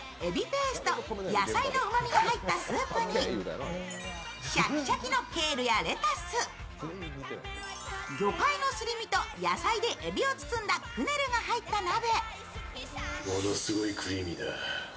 ペースト、野菜のうまみが入ったスープに、シャキシャキのケールやレタス、魚介のすり身と野菜でえびを包んだクネルが入った鍋。